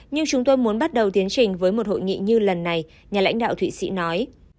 nhưng chúng tôi muốn bắt đầu tiến trình với một hội nghị như lần này nhà lãnh đạo thụy sĩ nói